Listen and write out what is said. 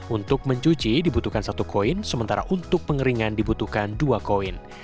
untuk mencuci dibutuhkan satu koin sementara untuk pengeringan dibutuhkan dua koin